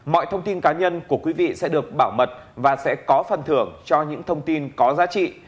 mọi thông tin cá nhân của quý vị sẽ được bảo mật và sẽ có phần thưởng cho những thông tin có giá trị